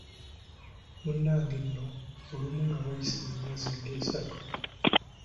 Munnange nno olumu nga wayise emyezi ng'esatu.